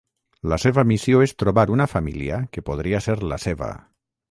La seva missió és trobar una família que podria ser la seva.